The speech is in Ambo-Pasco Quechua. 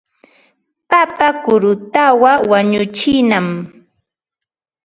Papa kurutaqa wañuchinam.